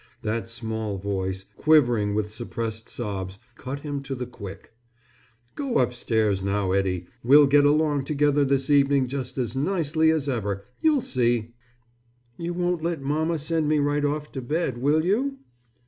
That small voice, quivering with suppressed sobs, cut him to the quick. "Go upstairs now, Eddie. We'll get along together this evening just as nicely as ever, you'll see." "You won't let mamma send me right off to bed, will you?"